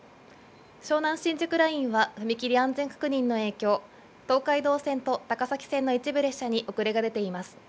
湘南新宿ラインは踏切安全確認の影響、東海道線と高崎線の一部列車に遅れが出ています。